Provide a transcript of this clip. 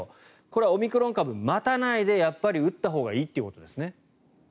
これはオミクロン株を待たないでやっぱり打ったほうがいいということですね。